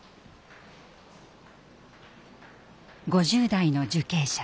５０代の受刑者。